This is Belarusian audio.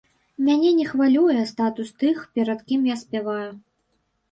Мяне не хвалюе статус тых, перад кім я спяваю.